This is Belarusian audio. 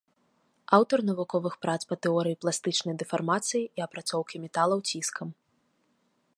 Аўтар навуковых прац па тэорыі пластычнай дэфармацыі і апрацоўкі металаў ціскам.